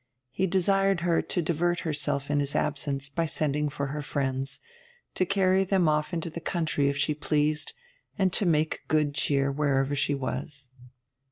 He desired her to divert herself in his absence by sending for her friends, to carry them off to the country if she pleased, and to make good cheer wherever she was.